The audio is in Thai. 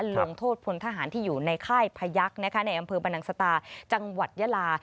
ลงโทษพลทหารที่อยู่ในค่ายพยักษ์ในอำเภอบรรนังสตาจังหวัดยาลา